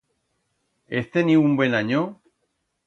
Hez teniu un buen anyo?